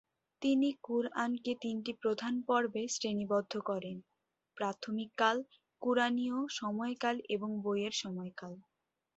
তিনি কুরআনকে তিনটি প্রধান পর্বে শ্রেণীবদ্ধ করেন: প্রাথমিক কাল, কুরআনীয় সময়কাল এবং বইয়ের সময়কাল।